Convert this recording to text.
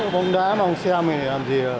bóng đá bóng xem thì làm gì rồi